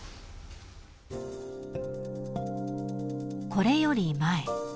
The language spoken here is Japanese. ［これより前］